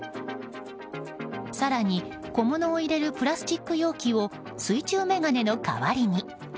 更に小物を入れるプラスチック容器を水中眼鏡の代わりに。